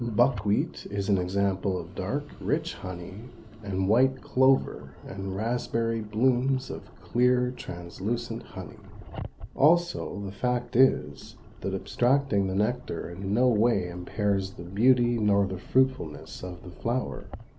Buckwheat is an example of dark, rich honey and white clover and raspberry blooms of clear, translucent honey. Also the fact is, that abstracting the nectar in no wise impairs the beauty nor the fruitfulness of the flower.